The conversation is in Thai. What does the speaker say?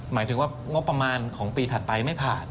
หมายถึงว่างบประมาณของปีถัดไปไม่ผ่าน